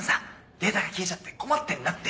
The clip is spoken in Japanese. データが消えちゃって困ってんだって。